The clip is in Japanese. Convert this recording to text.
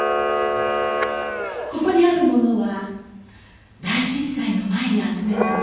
ここにあるものは大震災の前に集めたもの。